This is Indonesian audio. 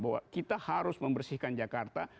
bahwa kita harus membersihkan jakarta